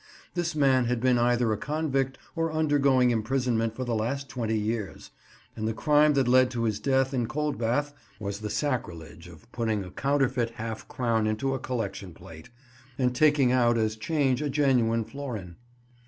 This man had been either a convict or undergoing imprisonment for the last twenty years, and the crime that led to his death in Coldbath was the sacrilege of putting a counterfeit half crown into a collection plate, and taking out as change a genuine florin.